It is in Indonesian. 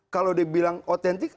kalau dibilang otentik